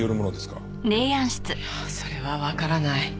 いやそれはわからない。